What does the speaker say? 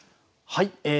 はい。